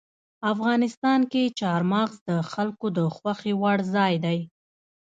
افغانستان کې چار مغز د خلکو د خوښې وړ ځای دی.